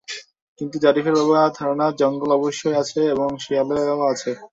কিন্তু জারিফের বাবার ধারণা, জঙ্গল অবশ্যই আছে এবং সেখানে শিয়ালও আছে।